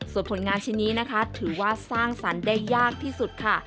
ส่วนผลงานชิ้นนี้นะคะถือว่าสร้างสรรค์ได้ยากที่สุดค่ะ